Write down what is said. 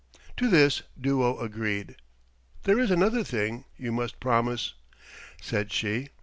To this Duo agreed. "There is another thing you must promise," said she.